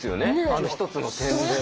あの１つの点で。